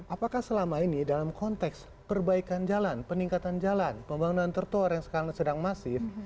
apakah selama ini dalam konteks perbaikan jalan peningkatan jalan pembangunan trotoar yang sekarang sedang masif